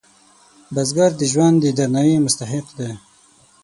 بزګر ته د ژوند د درناوي مستحق دی